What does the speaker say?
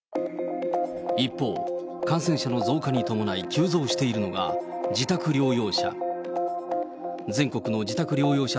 一方、感染者の増加に伴い急増しているのが、自宅療養者。